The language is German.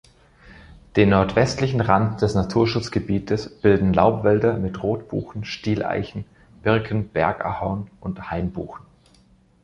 Den nordwestlichen Rand des Naturschutzgebietes bilden Laubwälder mit Rotbuchen, Stieleichen, Birken, Bergahorn und Hainbuchen.